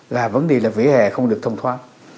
là vấn đề là vỉa hè không được thông thoáng